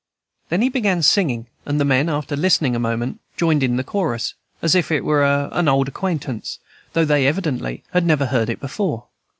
Then he began singing, and the men, after listening a moment, joined in the chorus, as if it were an old acquaintance, though they evidently had never heard it before.